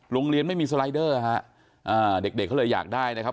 โรงเรียนไม่มีสไลเดอร์ฮะอ่าเด็กเด็กเขาเลยอยากได้นะครับ